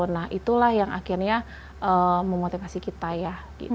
nah itulah yang akhirnya memotivasi kita ya